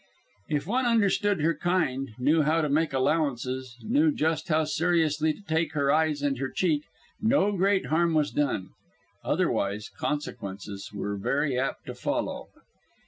If one understood her kind, knew how to make allowances, knew just how seriously to take her eyes and her "cheek," no great harm was done. Otherwise, consequences were very apt to follow.